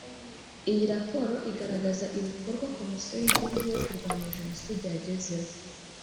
iyi raporo igaragaza ibikorwa komisiyo y’ igihugu yo kurwanya jenoside yagezeho